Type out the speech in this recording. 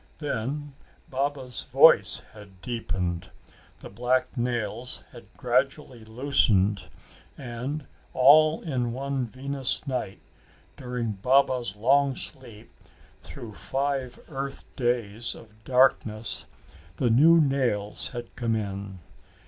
Then, Baba's voice had deepened; the black nails had gradually loosened; and, all in one Venus night, during Baba's long sleep through five earth days of darkness, the new nails had come in.